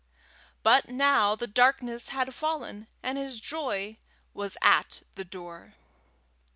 But now the darkness had fallen, and his joy was at the door.